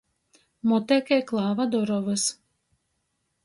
Mute kai klāva durovys.